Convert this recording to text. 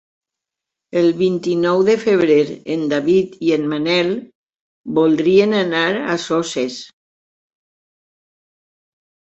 El vint-i-nou de febrer en David i en Manel voldrien anar a Soses.